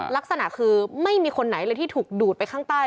ลักษณะคือไม่มีคนไหนเลยที่ถูกดูดไปข้างใต้